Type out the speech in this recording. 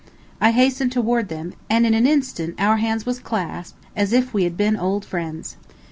I hastened toward them, and in an instant our hands was clasped as if we had been old friends.